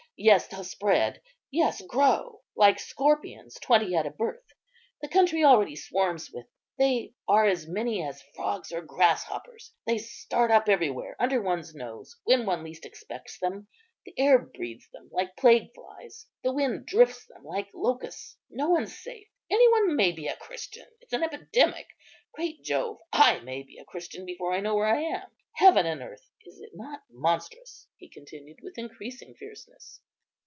yes, they'll spread. Yes, grow, like scorpions, twenty at a birth. The country already swarms with them; they are as many as frogs or grasshoppers; they start up everywhere under one's nose, when one least expects them. The air breeds them like plague flies; the wind drifts them like locusts. No one's safe; any one may be a Christian; it's an epidemic. Great Jove! I may be a Christian before I know where I am. Heaven and earth! is it not monstrous?" he continued, with increasing fierceness.